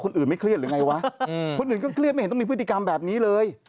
คนอื่นก็เครียดมะผมไม่เห็นต้องมีพฤติกรรมแบบนี้เลย